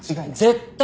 絶対！